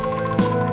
kalau boleh juga